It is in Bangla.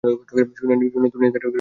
শুনানি, দুনিয়াদারি, সব মঞ্চ নাটক।